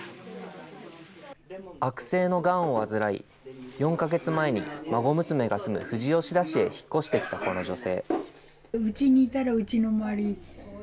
悪性のがんを患い、４か月前に、孫娘が住む富士吉田市に引っ越してきたこの女性。